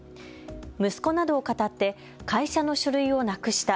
息子などをかたって会社の書類をなくした。